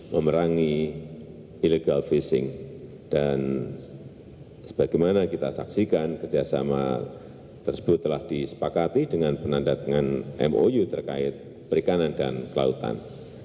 memerangi illegal fishing dan sebagaimana kita saksikan kerjasama tersebut telah disepakati dengan penanda tangan mou terkait perikanan dan kelautan